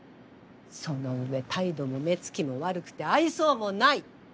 その上態度も目つきも悪くて愛想もない。